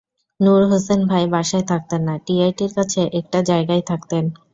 নূর হোসেন ভাই বাসায় থাকতেন না, ডিআইটির কাছে একটা জায়গায় থাকতেন।